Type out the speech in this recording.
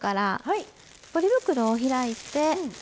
ポリ袋を開いて。